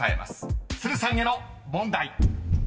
［都留さんへの問題］